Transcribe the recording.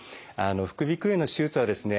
副鼻腔炎の手術はですね